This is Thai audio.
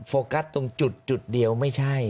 โฟกัสตรงจุดเดียวไม่ใช่